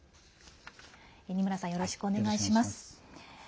二村さん、よろしくお願いします。